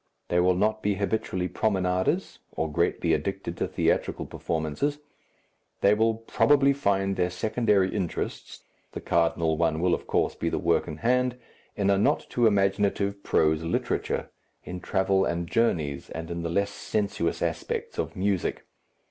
They will not be habitually promenaders, or greatly addicted to theatrical performances; they will probably find their secondary interests the cardinal one will of course be the work in hand in a not too imaginative prose literature, in travel and journeys and in the less sensuous aspects of music.